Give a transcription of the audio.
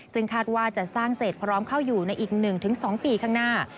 ซึ่งคาดว่าจะสร้างเสร็จพร้อมเข้าอยู่ในอีก๑๒ปีข้างหน้า